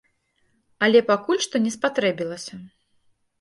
Але пакуль што не спатрэбілася.